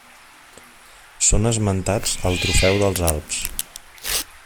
Són esmentats al Trofeu dels Alps.